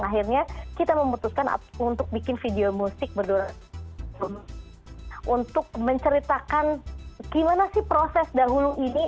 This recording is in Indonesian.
akhirnya kita memutuskan untuk bikin video musik untuk menceritakan gimana sih proses dahulu ini